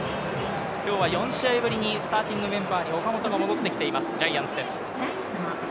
今日は４試合ぶりにスターティングメンバーに岡本が戻ってきています、ジャイアンツです。